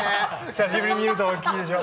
久しぶりに見ると大きいでしょ？